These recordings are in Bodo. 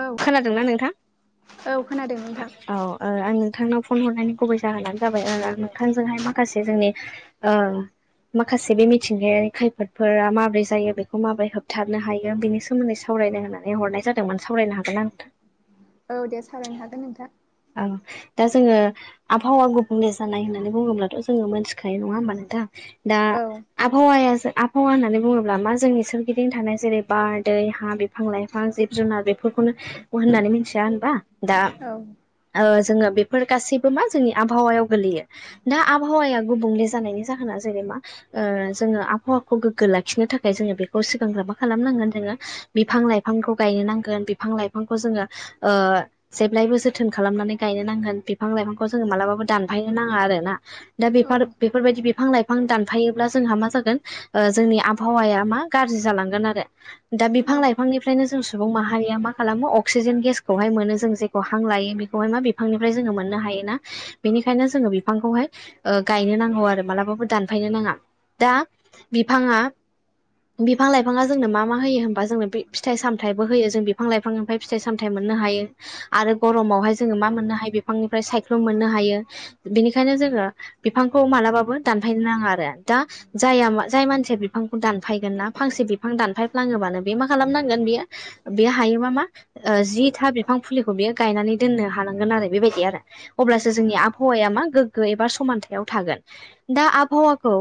औ खोनादोंना नोंथां औ खोनादों नोंथां औ आं नोंथांनाव फन हरनायनि गुबै जाहोनानो जाबाय नोंथांजोंहाय माखासे जोंनि माखासे बे मिथिंगायारि खैफोदफोरा माबोरै जायो बेखौ माबोरै होबथाबनो हायो बेनि सोमोन्दै साव रायनो होननानै हरनाय जादोंमोन सावरायनो हागोन नोंथां औ दे सावरायनो हागोन नोंथां औ दा जोङो आबहावा गुबुंले जानाय होननानै बुङोब्लाथ' जोङो मोनथिखायो नङा होमबानो नोंथां दा औ आबहावाया आबहावा होननानै बुङोब्ला मा जोंनि सोरगिदिं थानाय जेरै बार, दै, हा, बिफां लाइफां, जिब जुनार बेफोर खौनो होननानै मिथिया होनबा दा औ ओ जोङो बेफोर गासैबो मा जोंनि आबहावायाव गोगलैयो दा आबहावाया गुबुंले जानायनि जाहोना जेनेबा जोङो आबहावाखौ गोग्गो लाखिनो थाखाय जोङो बेखौ सिगांग्रो मा खालामनांगोन जोङो बिफां लाइफांखौ गायनो नांगोन बिफां लाइफांखौ जोङो जेब्लायबो जो थोन खालामनानै गायनो नांगोन बिफां लाइफांखौ जोङो मालाबाबो दानफायनो नाङा आरो ना दा औ बेफोर बेफोरबायदि बिफां लाइफां दानफायोब्ला जोंहा मा जागोन जोंनि आबहावाया मा गाज्रि जालांगोन आरो दा बिफां - लाइफांनिफ्रायनो जों सुबुं माहारिया मा खालामो अक्सिजेन गेसखौहाय मोनो जों जेखौ बिफां लायो बेखौहाय मा बिफांनिफ्राय जोंङो मोननो हायोना बेनिखायनो जोङो बिफांखौहाय गायनो नांगौ आरो मालाबाबो दानफायनो नांङा दा बिफांङा बिफां लाइफांङा जोंनो मा मा होयो होनबा जोंनो बे फिाइ सामथथायबो होयो जों बिफां लाइफांनिमफ्राय फिथाइ सामथायाइ मोनो मोननो हायो। आरो गरमावहाय जोंङो मा मोननो हायो बिफांनिफ्राय सायख्लुम मोननो हायो बिनिखायनो जोंङो बिफां मालाबो दानायनो नांङा दा ज जाय मानसि बिफांखौ दानफायगोन ना फांसे बिफां बे मा खालाम नांगोन बिफां दानफाय फ्लांबानो जिथा गायनानै दोननो हानांगोन आरो बेबायदि आरो अब्लासो जोंनि आबहावाया मा एबा समानथायाव थागोन दा आबहावाखौ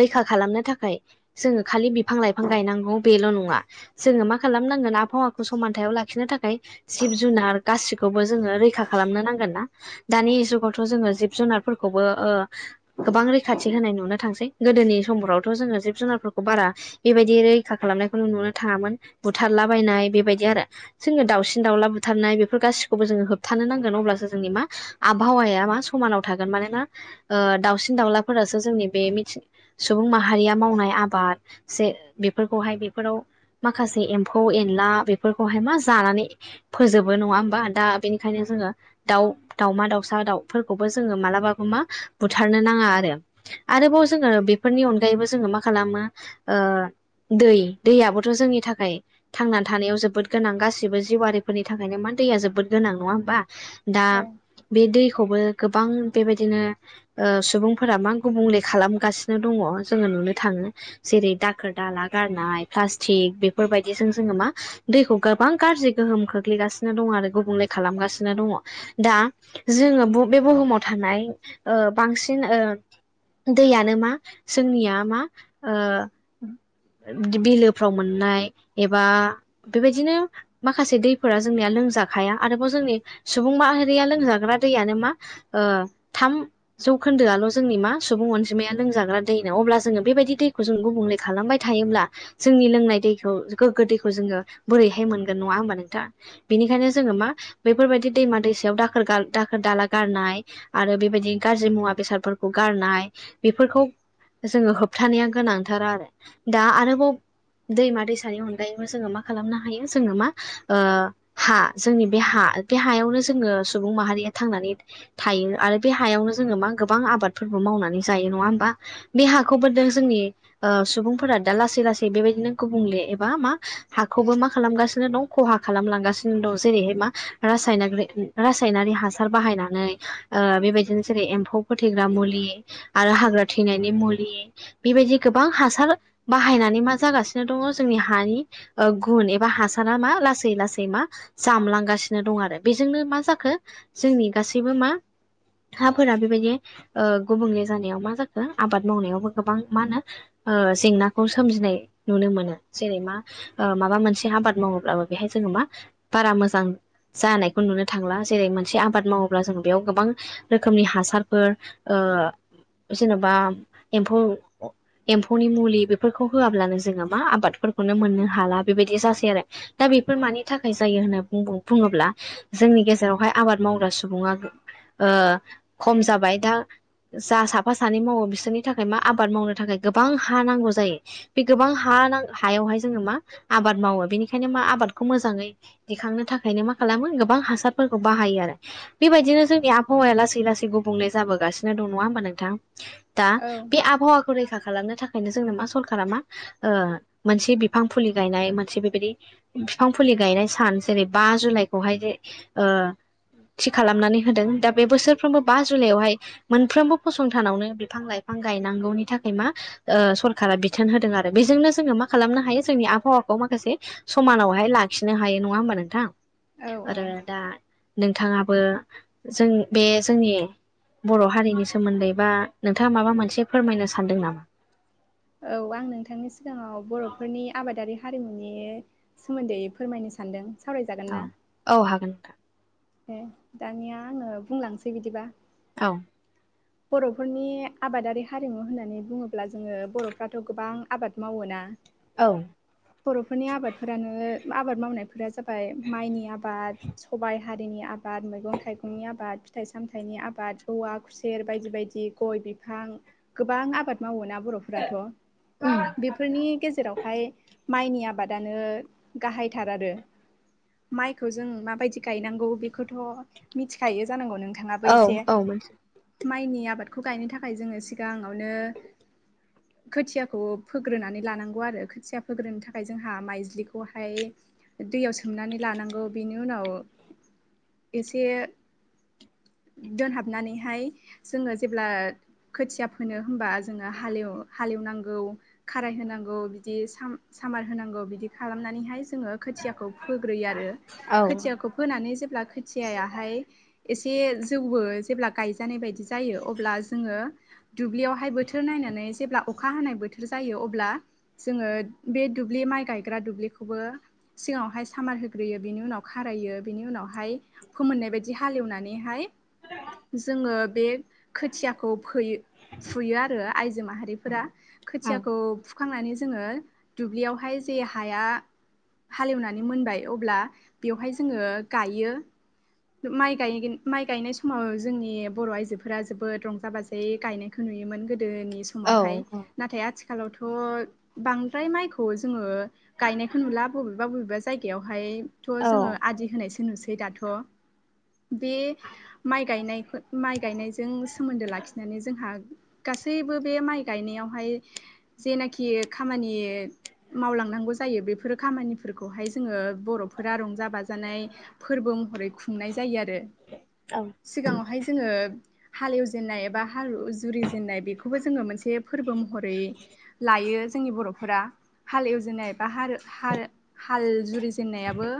रैखा खालामनो थाखाय जोंङो खालि बिफां - लाइफां गायनांगौ बेल' नंङा जोंङो मा खालामनांगोन आबहावाखौ समानथायाव लाखिनो थाखाय जिब जुनार गासिखौबो जोंङो रैखा खालामनो नांगोन ना दानि जुगावथ' जोंङो जिब जुनारफोरखौबो गोबां रैखाथि होनाय नुनो थांसै गो गोदोनि समफ्रावथ' जोंङो जिब जुनारफोरखौ बारा बेबायदि रैखा खालामनायखौ नुनो थांङामोन बुथारला बायनाय बेबाय आरो जोंङो दाउसिन दाउला बुथारनाय बेफोर गासिखौबो जों थानो नांगोन अब्लासो जोंनि मा आबहावाया मा समानाव थागोन मानोना दावउसिन थि दावउलाफोरासो जोंनि बेथि सुबुं माहारिया मावनाय आबाद जे बेफोरखौहाय बेफोराव माखासे एम्फौ एनला बेफोरखौहाय मा जानानै फोजोबो नंङा होमबा दा बेनिखायनो जोंङो दाउ दावउमा दाउसा दाउफोरखौबो जोंङो मालाबा माग मा बुथारनो नांङा आरो आरोबाव जोङो बेफोरनि अनगायैबो जोंङो मा खालामो दै दैयाबोथ' जोंनि थाखाय थांनानै थानायाव जोबोद गोनां गासिबो फोरनि थाखायनो मा दैया जोबोद गोनां नङा होनबा दा औ बे दै खौबो गोबां बेबायदिनो सुबुंफोरा मा गुबुंले खालामगासिनो दंङो जोंङो नुनो थांङो जेरै फ्लासथिग दाखोर दाला गारनाय गोबां गाज्रि गोहोम खोख्लैगासिनो दंङो आरो गुबुंले खालामगासिनो दंङो दा जोंङो बे बुहुमाव था नाय बांसिन दैयानो मा जोंनिया मा बिलोफ्राव मोननाय एबा बेबायदिनो माखासे दैफोरा जोंनिया लोंजाखाया आरोबाव जोंनि सुबुं माहारिया लोंजाग्रा दैयानो मा थाम जौखोन्दोआल' जोंनि मा सुबुं अनजिमाया लोंजाग्रा दै न अब्ला जोंङो बेबायदि दै जों गुबुंले खालामबाय थायोब्ला जोंनि लोंनाय दैखौ गोग्गो दैखौ जोंङो बोरैहाय मोन ना होनबा नोंथांङा बेनिखायनो जोंङो मा बेफोरबायदि दैमा दैसायाव दाखोर दाखोर दाला गारना आरो बेबायदिनो गाज्रि मुवा बेसादफोरखौ गारनाय बेफोरखौ जोंङो होबथानाया गोनांथार आरो दा आरोबाव दैमा - दैसानि अनगायैबो जोंङो मा खालामनो हायो जोंङो मा हा जोंनि बे हा बे हायावनो जोंङो सुबुं माहारिया थांनानै थायो आरो बे हायावनो जोंङो मा गोबां आबादफोरबो मावनानै जायो नंङा होमबा बे हाखौबो जोंनि सुबुंफोरा दा लासै लासै बेबायदिनो गुबुंले एबा मा हाखौबो मा खालामगासिनो दं खहा खालामलांगासिनो दं जेरैहाय मा रासायनारि हासार बाहाय नानै बेबायदिनो जेरै एम्फौ फोथैग्रा मुलि आरो हाग्रा थैनायनि मुलि बेबायदि गोबां हासार बाहायनानै मा जागासिनो दंङो जोंनि हानि गुन एा हासारा मा लासै लासै मा जामलांगासिनो दं आरो बेजोंनो मा जाखो जोंनि गासैबो मा हाफोरा बेबायदि गुबुंले जानायाव मा जाखो आबाद मावनायावबो गोबां मा होनो जेंनाखौ सोमजिनाय नुनो मोनो जेरै मा माबा मोनसे आबाद मावोब्लाबो बेहाय जोंङो मा बारा मोजां जानायखौ नुनो थांला जेरै मोनसे आबाद माव अब्ला जों बेयाव गोबां रोखोमनि हासारफोर जेनेबा एम्फौ एम्फौनि मुलि बेफोरखौ होआब्लानो जोङो मा आबादफोरखौनो मोननो हाला बेबायदि जासग दा बेफोर मानि थाखाय जायो होनना बुङोब्ला जोंनि गेजेरावहाय आबाद मावग्रा सुबुं खम जाबाय दा जा साफा सानै मावो बिसोरनि थाखाय मा आबाद मावनो थाखाय गोबां हा नांगौ जायो बे गोबां हा हायावहाय जोङो मा आबाद मावो बेनिखायनो मा आबादखौ मोजाङै दिखांनो थाखायनो मा खालामो गोबां हासारफोरखौ बाहायो आरो बे बेबायदिनो जोंनि आबहावाया लासै लासै गुबुंले जाबोगासिनो दं नङा होमबा नोंथां दा बे आबहावाखौ रैखा खालामनो थाखायनो जोंनो मा सरखारा मा मोनसे बिफां फुलि गायनाय मोनसे बिदि बिफां फुलि गायनाय सान जेरै बा जुलाइखौहाय जे थि खालामनानै होदों दा बे बोसोरफ्रोमबो बा जुलाइआवहाय मोनफ्रोमबो फसंथानावनो बिफां लाइफां गायनांगौनि थाखाय मा सरखारारा बिथोन होदों आरो बेजोंनो जोङो मा खालामनो हायो जोंनि आबहावाखौ माखासे समानावहाय लाखिनो हायो नङा होमबा नोंथां औ औ आं आरो दा नोंथाङाबो जों बे जोंनि बर' हारिनि सोमोन्दै बा नोंथाङा माबा मोनसे फोरमायनो सानदों नामा नोंथांनि सिगाङाव बर'फोरनि आबादारि हारिमुनि सोमोन्दै फोरमायनो सानदों सावरायजागोन औ ना औ हागोन नोंथां ए दानिया आङो बुंलांसै बिदिबा औ बर'फोरनि आबादारि हारिमु होननानै बुङोब्ला जोङो बर'फ्राथ गोबां आबाद मावोोना औ बर'फोरनि आबादफोरानो आबाद मावनायफोरा जाबाय माइनि आबाद आबाद सबबाय हारिनि आबाद मैगं थाइगंनि आबाद फिथाइ सामथाइनि आबाद औवा खु सेर बायदि बायदि गय बिफां गोबां आबाद मावोना बर'फोराथ बेफोरनि गेजेरावहाय माइनि आबादानो गाहायथार आरो माइखौ जों माबायदि गायनांगौ बेखौथ मिथिखायो जानांगौ नों औ औ मोनथियो माइनि आबादखौ गायनो थाखाय जोङो सिगाङावनो खोथियाखौ फोग्रोनानै लानांगौ आरो खोथिया फोग्रोनो थाखाय जोंहा माइज्लिखौहाय दैयाव सोमनानै लानांगौ बेनि उनाव एसे दोनहाबनानैहाय जोङो जेब्ला खोथिया फोनो होनबा जोङो हा हालेवनांगौ खाराय नांगौ सामार होनांगौ बिदि खालामनानैहाय जोङो खोथियाखौ फोग्रोयो आरो औ खोथियाखौ फोनानै जेब्ला खोथियायाहाय एसे जौवबो जेब्ला गायजा जानाय बायदि जायो अब्ला जोङो दुब्लियावहाय बोथोर नायनानै जेब्ला अखा हानाय बोथोर जायो अब्ला जोङो बे दुब्लि माइ गायग्रा दुब्लिखौबो सिगावहाय सामार होग्रोयो बिनि उनाव खार रायो बिनि उनावहाय फोमोननाय बायदि हालेवनानैहाय जोङो बे खोथियाखौ फयो फुयो आरो आयजो माहारिफोरा औ खोथियाखौ हुखांनानै जोङो दुब्लियावहाय जे हाया हालेवनानै मोनबाय अब्ला बेवहाय जोङो गायो माइ गाय माइ गायनाय समाव जोंनि बर' आइजोफोरा जोबोद रंजा बाजायै गायनायखौ नुयोमोन गोदो गोदोनि औ समावहाय औ नाथाय आथिखालाव आथिखालावथ बांद्राय माइखौ जोङो गायनायखौ नुला बबेबा बबेबा जायगायावहाय थ औ जोङो आदि होनायसो नुसै दाथ' बे माइ गायनायखौ माइ गायनायजों सोमोन्दो लाखिनानै जोंहा गासैबो बे माइ गायनायावहाय जेनाखि खामानि मावलांनांगौ जायो बेफोरो खामानिफोरखौहाय जोङो बर'फोरा रंजा बाजानाय फोरबो महरै खुंनाय जायो आरो औ सिगाङावहाय जोङो हालेवजेनन्नाय एबा हाल जुरि जेननाय बेखौबो जोङो मोनसे फोरबो महरै लायो जोंनि बर'फोरा हाल एवजेननाय बा हा हा हाल जुरिजेननायाबो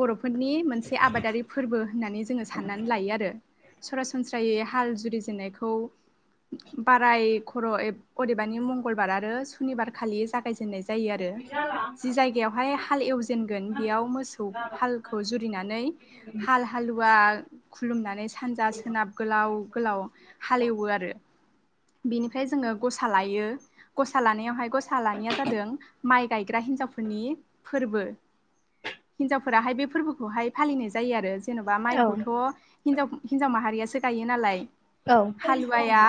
बर' फोरनि मोनसे आबादारि फोरबो होननानै जोङो साननानै लायो आरो सरासनस्रायै हाल जुरिजेननायखौ बाराय खर' अदेबानि मंगलबार आरो सुनिबार खालि जागायजेननाय जायो जायो आरो जि जायगायावहाय हाल एवजेनगोन बेयाव मोसौ हालखौ जुरिनानै हाल हालुवा खुलुमनानै सानजा सोनाब गोलाव गोलाव हालेवो आरो बेनिफ्राय जोङो गसा लायो गसा लानायावहाय गसा लानाया जादों माइ गायग्रा हिन्जावफोरनि फोरबो हिनजावफोराहाय बे फोरबोखौहाय फालिनाय जायो आरो जेनेबा औ माइखौथ' हिनजाव हिनजाव माहारियासो गायो नालाय हालुवाया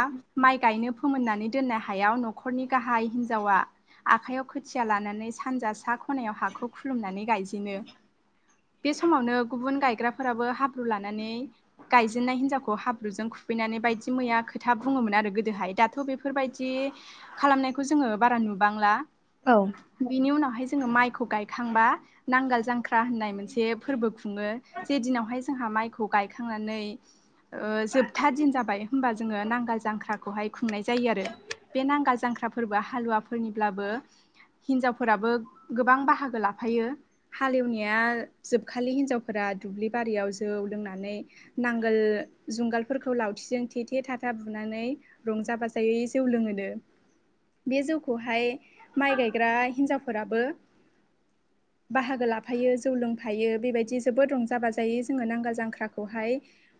माइ गायनो फोमोननानै दोननो हायाव न'खरनि गाहाय हिनजावा आखाइयाव खोथिया लानानै सानजा सा खनायाव हाखौ खुलुमनानै गायजेनो बे समावनो गुबुन गायग्राफोराबो हाब्रु लानानै गायजेननाय हिनजावखौ हाब्रुजों खुुबैनानै बायदि मैया खोथा बुङोमोन आरो गोदोहाय दाथ' बेफोरबायदि खालामनायखौ जोङो बारा नुबांला बिनि उनावहाय जोङो माइखौ गायखां थांबा नांगाल जांख्रा होननाय मोनसे फोरबो खुङो जे दिनावहाय जोंहा माइखौ गाय खांनानै जोबथा दिन जाबाय होमबा जोङो नांगाल जांख्राखौहाय खुंनाय जायो आरो बे नांगाल जांख्रा फोरबोआ हालुवाफोरनिब्लाबो हिनजावफोराबो गोबां बाहागो लाफायो हालेवनाया जोबखालि हिनजावफोरा दुब्लि बारियाव जौ लोंनानै नांगोल जुंगालफोरखौ लावथिजों थे थे थाथा बुनानै रंजा बाजायै जौ लोङो बे जौखौहाय माइ गायग्रा हिनजावफोराबो बाहागो लाफायो जौ लोंफायो बेबायदि जोबोद रंजा बाजायै जोङो नांगाल जांख्राखौ खौहाय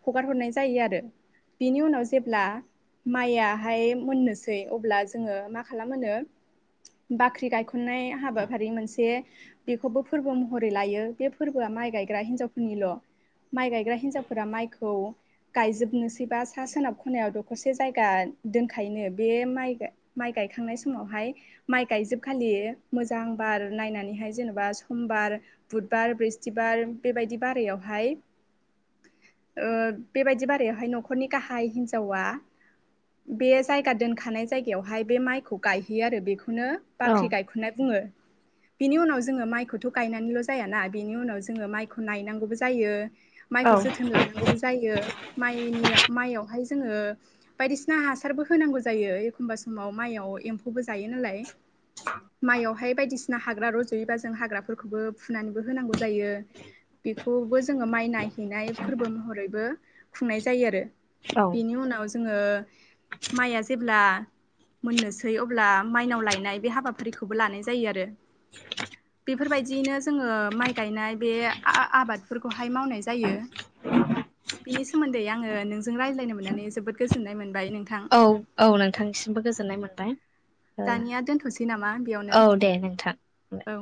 हगार हरनाय जायो आरो बेनि उनाव जेब्ला माइयाहाय मोननोसै अब्ला जोङो मा खालामो नो बाख्रि गायखननाय हाबाफारि मोनसे बेखौबो फोरबो महरै लायो बे फोरबोआ माइ गायग्रा हिनजावफोरनिल' माइ गायग्रा हिन्जावफोरा माइखौ गायजोबनोसैबा सा सोनाब खनायाव दखरसे जायगा दोनखायोनो बे माइ माइ गायखांनाय समावहाय माइ गायजोबखालि मोजां बार नायनानैहाय जेनेबा समबार बुधबार ब्रिस्थिबार बेबायदि बारायावहाय [inaudible] ओ बेबायदि बारायावहाय न'खरनि गाहाय हिन्जावा बे जायगा दोनखानाय जायगायावहाय बे माइखौ गायहैयो आरो बेखौ बेखौनो औ बाख्रि गायखन्नाय बुङो बिनि उनाव जोङो माइखौथ' गायनानैल' जायाना बिनि उनाव जोङो माइखौ नायनांगौबो जायो माइखौ जोथोन लानांगौबो जायो माइनि माइयावहाय जोङो बायदिसिना हासारबो होनांगौ जायो एखमबा समाव माइयाव एम्फौबो जायो नालाय माइयावहाय बायदिसिना हाग्रा रज'योबा जों हाग्राफोरखौबो फुनानैबो होनांगौ जायो बेखौबो जोङो माइ नाय हैनाय फोरबो महरैबो खुंनाय जायो आरो बिनि उनाव जोङो माइआ जेब्ला मोननोसै अब्ला माइनाव लायनाय बे हाबाफारिखौबो लानाय जायो आरो बेफोरबादियैनो जोङो माइ गायनाय बे आबादफोरखौहाय मावनाय जा जायो बिनि सोमोन्दै आङो नोंजों रायज्लायनो मोननानै जोबोद गोजोननाय मोन औ औ नोंथांनिसिमबो गोजोननाय मोनबाय दानिया दोनथ'सै नामा बेयावनो औ दे नोंथां होनबाय औ